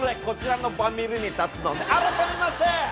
こちらのバミリに立つのね。